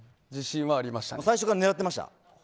最初から狙ってました。